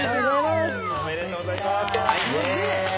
ありがとうございます。